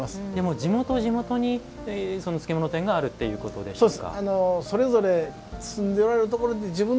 地元地元に漬物店があるということですか。